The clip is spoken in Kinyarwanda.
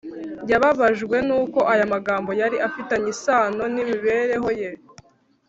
. Yababajwe nuko aya magambo yari afitanye isano n’imibereho ye.